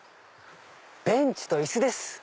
ベンチと椅子です。